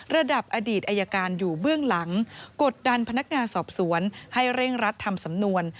ระดับอดีตอายการอยู่เบื้องหลังกดดันพนักงานสอบสวนให้เร่งรัดทำสำนวน